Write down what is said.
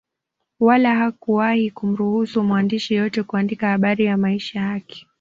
Wala hakuwahi kumruhusu mwandishi yeyote kuandika habari ya maisha yake